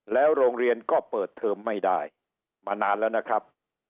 แล้วโรงเรียนก็เปิดเทอมไม่ได้มานานแล้วนะครับ